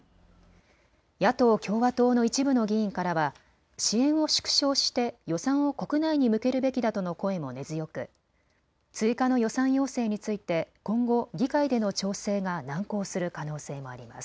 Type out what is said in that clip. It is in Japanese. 野党・共和党の一部の議員からは支援を縮小して予算を国内に向けるべきだとの声も根強く追加の予算要請について今後、議会での調整が難航する可能性もあります。